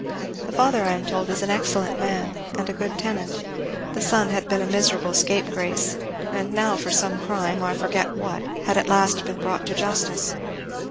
The father, I am told, is an excellent man and a good tenant; the son had been a miserable scapegrace, and now for some crime I forget what had at last been brought to justice.